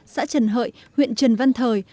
xã trần hợi huyện trần văn thời